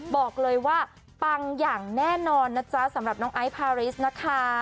บอกเลยว่าปังอย่างแน่นอนนะจ๊ะสำหรับน้องไอซ์พาริสนะคะ